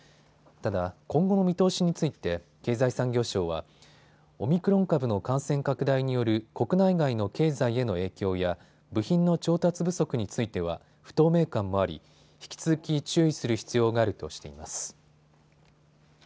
ただ、今後の見通しについて経済産業省はオミクロン株の感染拡大による国内外の経済への影響や部品の調達不足については不透明感もあり引き続き注意する必要があるとしています。